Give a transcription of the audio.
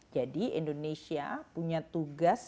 jadi indonesia punya tugas dan kita punya tugas